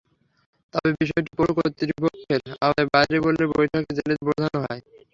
তবে বিষয়টি পৌর কর্তৃপক্ষের আওতার বাইরে বলে বৈঠকে জেলেদের বোঝানো হয়।